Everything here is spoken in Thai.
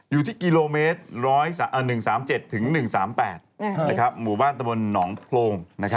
อยู่ที่กิโลเมตร๑๓๗๑๓๘หมู่บ้านตะบนหนองโพรง